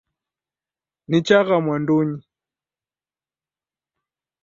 Nichagha mwandunyi